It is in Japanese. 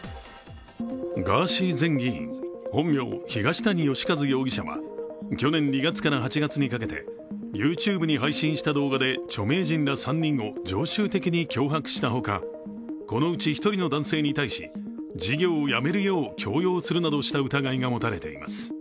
ガーシー前議員、本名・東谷義和容疑者は去年２月から８月にかけて、ＹｏｕＴｕｂｅに配信した動画で著名人ら３人を常習的に脅迫したほかこのうち１人の男性に対し事業をやめるよう、強要するなどした疑いが持たれています。